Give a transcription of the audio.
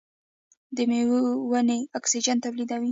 د میوو ونې اکسیجن تولیدوي.